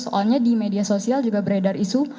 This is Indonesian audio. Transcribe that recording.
soalnya di media sosial juga beredar isu